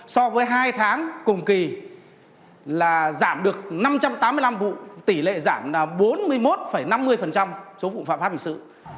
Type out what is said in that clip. so với hai tháng cùng kỳ là giảm được năm trăm tám mươi năm vụ tỷ lệ giảm bốn mươi một năm mươi số vụ phạm pháp hình sự